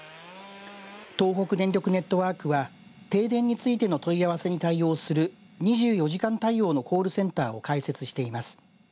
東北電力ネットワークは停電についての問い合わせに対応する２４時間対応のコールセンターを開設しています。